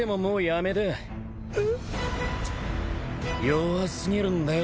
弱すぎるんだよ